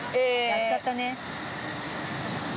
やっちゃったね。